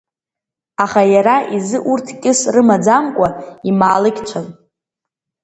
Аха иара изы урҭ кьыс рымаӡамкәа имаалықьцәан.